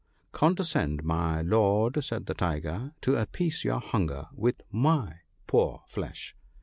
" Condescend, my Lord," said the Tiger, " to appease your hunger with my poor flesh."